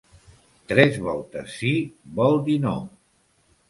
Tres voltes sí, vol dir no.